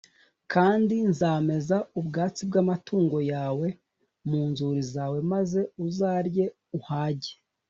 kandi nzameza ubwatsi bw’amatungo yawe mu nzuri zawe, maze uzarye uhage.